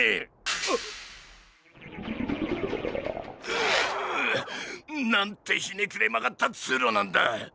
くっなんてひねくれまがったつうろなんだ。